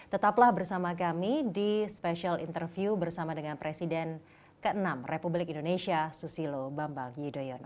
tetaplah bersama kami di special interview bersama dengan presiden ke enam republik indonesia susilo bambang yudhoyono